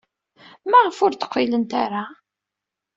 Maɣef ur d-qqilent ara?